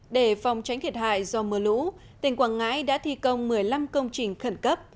để phòng tránh thiệt hại do mưa lũ tỉnh quảng ngãi đã thi công một mươi năm công trình khẩn cấp